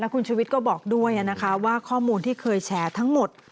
คุณชุวิตก็บอกด้วยนะคะว่าข้อมูลที่เคยแชร์ทั้งหมด